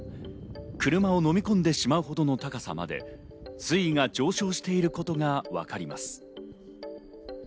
車を飲み込んでしまうほどの高さまで水位が上昇していることがわかります。